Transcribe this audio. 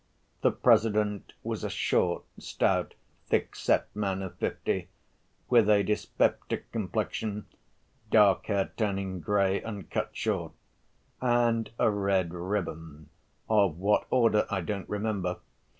The President was a short, stout, thick‐set man of fifty, with a dyspeptic complexion, dark hair turning gray and cut short, and a red ribbon, of what Order I don't remember.